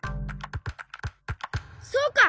そうか！